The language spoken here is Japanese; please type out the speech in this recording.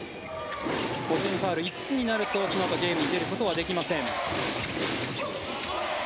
ファウル５つめになるとそのあとゲームに出ることはできません。